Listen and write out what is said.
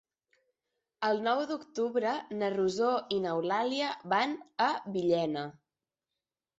El nou d'octubre na Rosó i n'Eulàlia van a Villena.